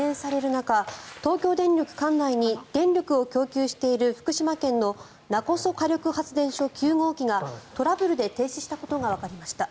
中東京電力管内に電力を供給している、福島県の勿来火力発電所９号機がトラブルで停止したことがわかりました。